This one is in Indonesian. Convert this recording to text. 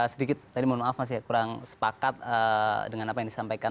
sedikit tadi mohon maaf masih kurang sepakat dengan apa yang disampaikan